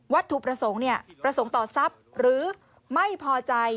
วัตถุประสงค์ต่อทรัพย์หรือไม่พอใจ